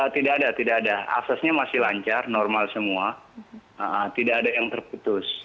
tidak ada tidak ada aksesnya masih lancar normal semua tidak ada yang terputus